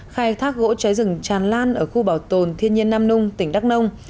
khai thác gỗ trái rừng tràn lan ở khu bảo tồn thiên nhiên nam nung tỉnh đắk nông